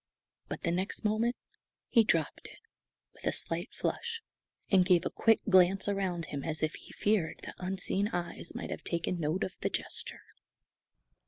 But the next moment he dropped it, with a slight flush, and gave a quick glance around him as if he feared that unseen eyes might have taken note of the gesture.